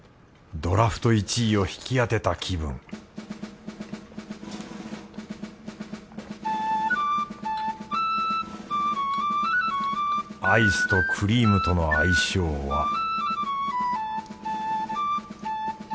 ドラフト１位を引き当てた気分アイスとクリームとの相性は